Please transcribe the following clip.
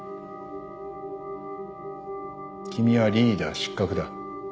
君はリーダー失格だ。